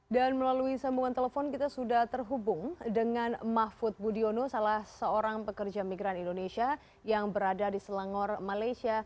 dan melalui sambungan telepon kita sudah terhubung dengan mahfud budiono salah seorang pekerja migran indonesia yang berada di selangor malaysia